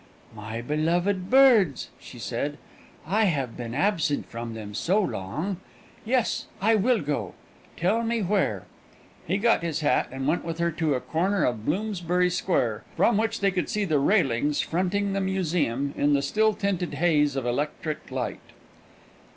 "My beloved birds!" she said. "I have been absent from them so long. Yes, I will go. Tell me where." He got his hat, and went with her to a corner of Bloomsbury Square, from which they could see the railings fronting the Museum in the steel tinted haze of electric light.